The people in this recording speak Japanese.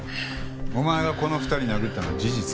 お前がこの２人殴ったのは事実か？